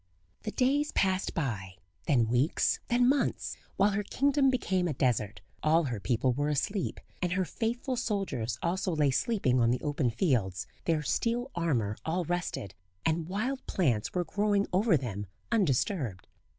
The days passed by, then weeks, then months, while her kingdom became a desert; all her people were asleep, and her faithful soldiers also lay sleeping on the open fields, their steel armour all rusted, and wild plants were growing over them undisturbed.